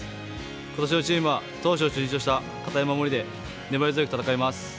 今年のチームは投手を中心とした堅い守りで粘り強く戦います。